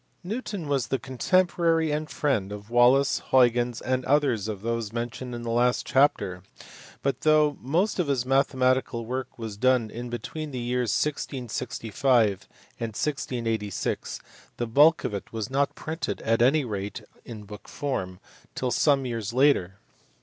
Newton was the contemporary and friend of Wallis, Huygens, and others of those mentioned in the last chapter, but, though most of his mathematical work was done between the years 1665 and 1686, the bulk of it was not printed at any rate in book form till some years later.